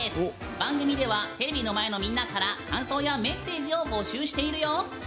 番組ではテレビの前のみんなから感想やメッセージを募集しているよ！